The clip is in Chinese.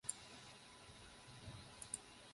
该区保留了不少装饰艺术风格的历史建筑。